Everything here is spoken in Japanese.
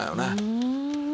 うん。